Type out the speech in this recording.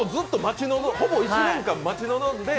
ほぼ１年間、待ち望んで。